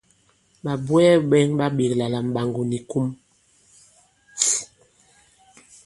Ɓàbwɛɛ bɛ̄ŋ ɓa ɓēkla la Mɓàŋgò ni Kum.